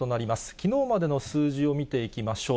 きのうまでの数字を見ていきましょう。